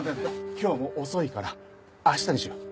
今日はもう遅いから明日にしよう。